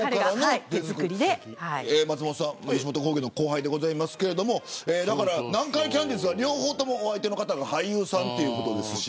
松本さん吉本興業の後輩ですが南海キャンディーズは両方ともお相手の方が俳優さんです。